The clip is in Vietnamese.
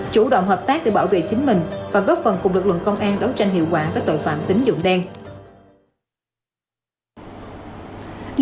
chủ động hợp tác để bảo vệ chính mình và góp phần cùng lực lượng công an đấu tranh hiệu quả với tội phạm tính dụng đen